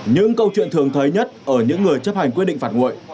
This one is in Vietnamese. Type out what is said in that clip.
những câu chuyện thường thới nhất ở những người chấp hành quyết định phạt nguội